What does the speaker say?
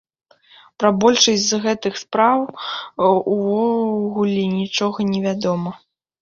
Пра большасць з гэтых справаў увогуле нічога не вядома.